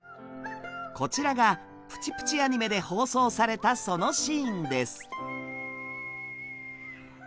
こちらが「プチプチ・アニメ」で放送されたそのシーンです。